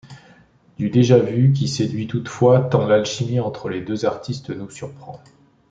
Du déjà vu qui séduit toutefois tant l’alchimie entre les deux artistes nous surprend.